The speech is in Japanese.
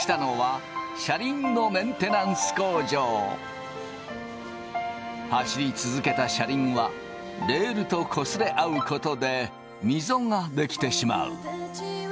やって来たのは走り続けた車輪はレールとこすれ合うことでミゾが出来てしまう。